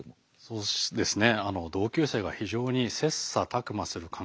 そうですね。